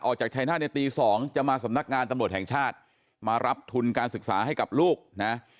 ออกจากชายนาฏในตี๒จะมาสำนักงานตำรวจแห่งชาติมารับทุนการศึกษาให้กับลูกนะ